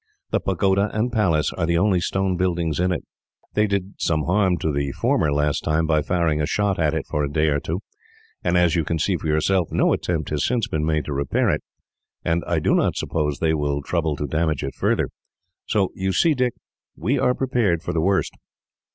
The pagoda and palace are the only stone buildings in it. They did some harm to the former, last time, by firing shot at it for a day or two; and, as you can see for yourself, no attempt has since been made to repair it, and I do not suppose they will trouble to damage it further. "So you see, Dick, we are prepared for the worst."